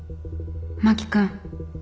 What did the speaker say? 真木君。